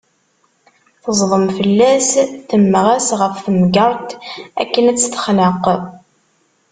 Teẓdem fella-s, temmeɣ-as ɣef temgerṭ akken a tt-texneq.